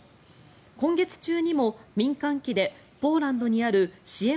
今月中にも民間機でポーランドにある支援